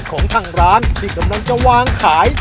ของทางร้านที่กำลังจะวางขาย